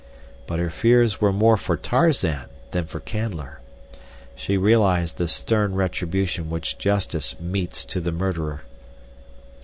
But her fears were more for Tarzan than for Canler. She realized the stern retribution which justice metes to the murderer.